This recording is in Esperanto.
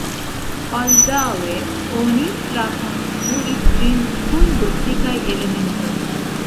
Baldaŭe oni trakonstruis ĝin kun gotikaj elementoj.